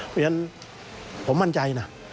ฉะนั้นข้อมั่นใจนะ